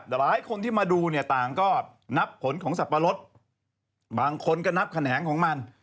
หลายคนที่มาดูเนี่ยต่างก็นับผลของสับปะรดบางคนก็นับแขนงของมัน